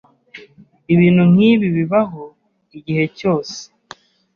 Ibintu nkibi bibaho igihe cyose.